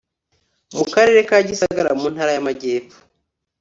mu karere ka gisagara mu ntara y'amajyepfo